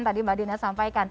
tadi mbak dina sampaikan